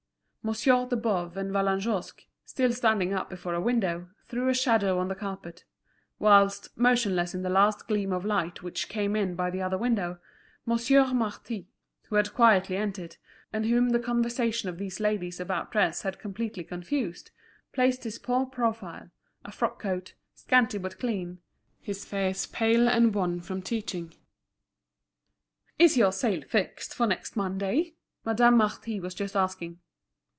Monsieur de Boves and Vallagnosc, still standing up before a window, threw a shadow on the carpet: whilst, motionless in the last gleam of light which came in by the other window, Monsieur Marty, who had quietly entered, and whom the conversation of these ladies about dress had completely confused, placed his poor profile, a frock coat, scanty but clean, his face pale and wan from teaching. "Is your sale still fixed for next Monday?" Madame Marty was just asking.